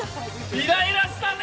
イライラしたね。